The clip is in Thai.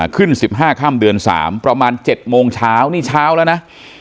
ขึ้น๑๕ค่ำเดือน๓ประมาณ๗โมงเช้านี่เช้าแล้วนะ